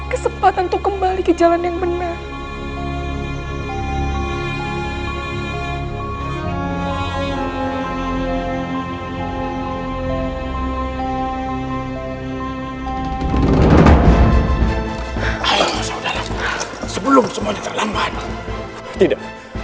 kesempatan untuk kembali ke jalan yang benar